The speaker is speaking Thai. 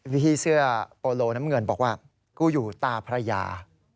พี่เสื้อโปโลน้ำเงินบอกว่ากูอยู่ตาภรรยา